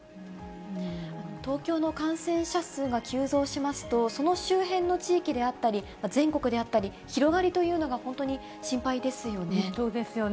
東京の感染者数が急増しますと、その周辺の地域であったり、全国であったり、広がりというのそうですよね。